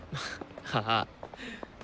ああ。